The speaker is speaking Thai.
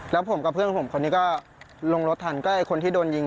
แล้วผมกับเพื่อนผมคนนี้ก็ลงรถทันก็ไอ้คนที่โดนยิง